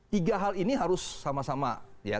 tiga hal ini harus sama sama ya